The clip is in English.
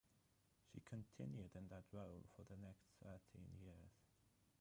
She continued in that role for the next thirteen years.